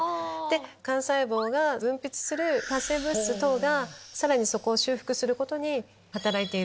幹細胞が分泌する活性物質等がさらにそこを修復することに働いている。